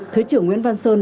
thứ trưởng nguyễn văn sơn